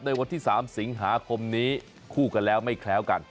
วันที่๓สิงหาคมนี้คู่กันแล้วไม่แคล้วกัน